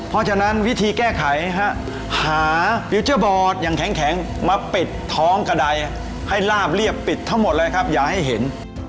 เพราะฉะนั้นวิธีแก้ไขหาฟิวเจอร์บอร์ดอย่างแข็งมาปิดท้องกระดายให้ลาบเรียบปิดทั้งหมดเลยครับอย่าให้เห็น